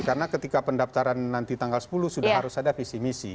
karena ketika pendaftaran nanti tanggal sepuluh sudah harus ada visi misi